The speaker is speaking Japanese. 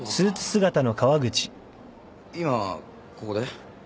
今ここで？